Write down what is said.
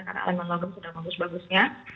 karena elemen logam sudah bagus bagusnya